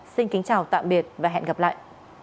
xin kính chào và hẹn gặp lại